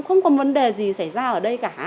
không có vấn đề gì xảy ra ở đây cả